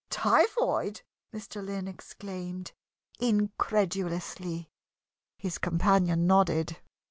"Typhoid!" Mr. Lynn exclaimed, incredulously. His companion nodded.